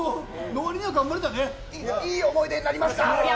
いい思い出になりました。